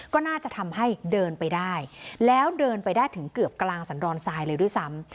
ก็น่าจะทำให้เดินไปได้แล้วเดินไปได้ถึงเกือบกลางสันดอนทรายเลยด้วยซ้ำ